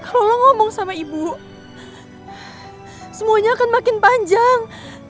kalau lo ngomong sama ibu semuanya akan makin panjang